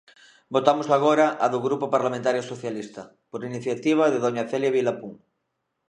Votamos agora a do Grupo Parlamentario Socialista, por iniciativa de dona Celia Vilapún.